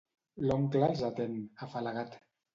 L'oncle els atén, afalagat.